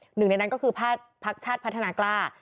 หนึ่งในนั้นก็คือภาคชาติพัฒนากล้า